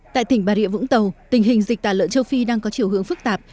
tại tỉnh bà rịa vũng tàu tình hình dịch tả lợn châu phi đang có chiều hướng phức tạp